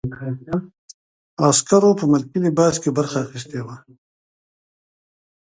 عسکرو په ملکي لباس کې برخه اخیستې وه.